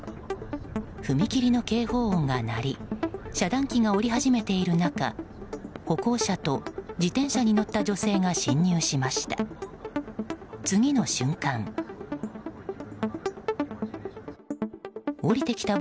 踏切の警報音が鳴り遮断機が下り始めている中歩行者と自転車に乗った女性が侵入しました。